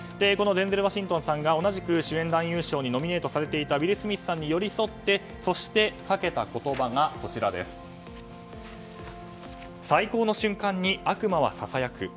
デンゼル・ワシントンさんが同じく主演男優賞にノミネートされていたウィル・スミスさんに寄り添ってそしてかけた言葉が最高の瞬間に悪魔はささやく